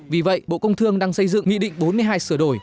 vì vậy bộ công thương đang xây dựng nghị định bốn mươi hai sửa đổi